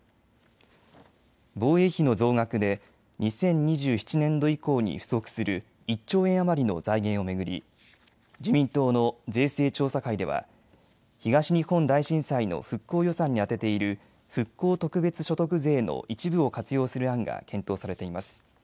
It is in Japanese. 防衛費の増額で２０２７年度以降に不足する１兆円余りの財源を巡り、自民党の税制調査会では東日本大震災の復興予算に充てている復興特別所得税の一部を活用する案が検討されています。